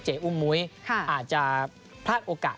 อุ้มมุ้ยอาจจะพลาดโอกาส